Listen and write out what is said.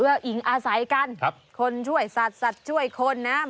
เอื้ออิงอาศัยกันครับคนช่วยสัตว์สัตว์ช่วยคนนะ